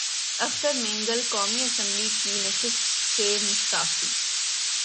اختر مینگل قومی اسمبلی کی نشست سے مستعفی